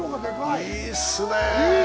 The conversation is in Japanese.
いいっすねぇ。